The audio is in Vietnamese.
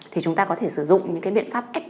thì chúng ta có thể sử dụng những cái biện pháp ép